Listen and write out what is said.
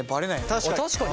確かに。